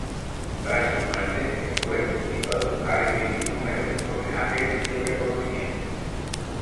Tras su muerte, el juez Lidón ha recibido numerosos homenajes y reconocimientos.